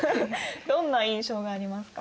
どんな印象がありますか？